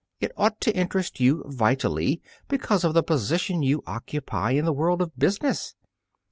It ought to interest you vitally because of the position you occupy in the world of business.